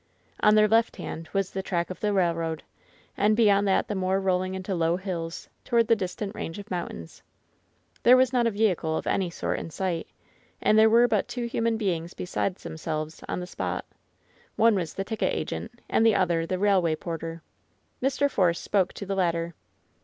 On their left hand was the track of the railroad, and beyond that the moor rolling into low hills, toward the distant range of mountais. There was not a vehicle of any sort in sight ; and there were but two human beings besides themselves on the spot — one was the ticket agent and the other the railway porter. Mr. Force spoke to the latter.